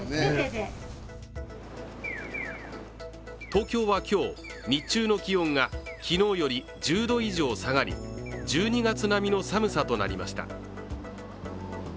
東京は今日日中の気温が昨日より１０度以上下がり、１２月並みの寒さとなりました。